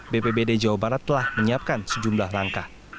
bpbd jawa barat telah menyiapkan sejumlah langkah